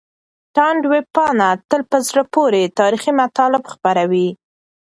تاند ویبپاڼه تل په زړه پورې تاريخي مطالب خپروي.